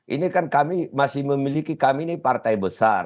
ini kan kami masih memiliki kami ini partai besar